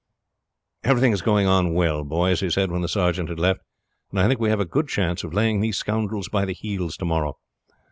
"Everything is going on well, boys," he said when the sergeant had left, "and I think we have a good chance of laying these scoundrels by the heels to morrow.